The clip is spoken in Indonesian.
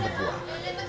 tidak ada batang